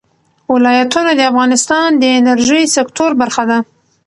ولایتونه د افغانستان د انرژۍ سکتور برخه ده.